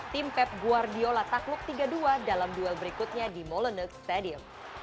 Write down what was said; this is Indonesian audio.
tim pep guardiola takluk tiga dua dalam duel berikutnya di molenuc stadium